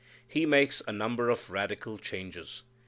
He makes a number of radical changes.